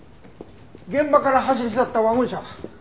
現場から走り去ったワゴン車は？